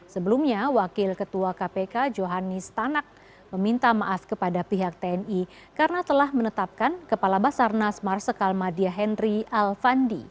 sebelumnya wakil ketua kpk johanis tanak meminta maaf kepada pihak tni karena telah menetapkan kepala basarnas marsikal madia henry alfandi